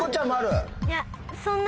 いや。